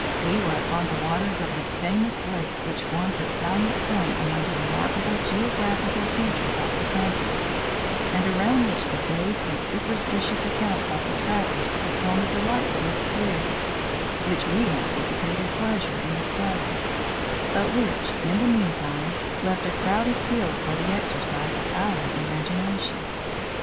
We were upon the waters of the famous lake which forms a salient point among the remarkable geographical features of the country, and around which the vague and superstitious accounts of the trappers had thrown a delightful obscurity, which we anticipated pleasure in dispelling, but which, in the meantime, left a crowded field for the exercise of our imagination.